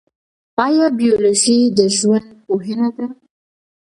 ایا بیولوژي د ژوند پوهنه ده؟